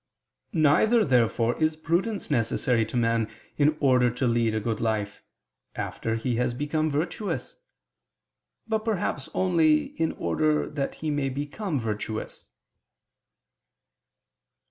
Neither, therefore is prudence necessary to man in order to lead a good life, after he has become virtuous; but perhaps only in order that he may become virtuous.